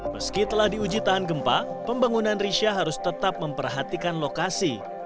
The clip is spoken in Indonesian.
meski telah diuji tahan gempa pembangunan risha harus tetap memperhatikan lokasi